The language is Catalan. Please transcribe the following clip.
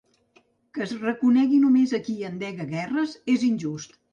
Que es reconegui només a qui endega guerres és injust.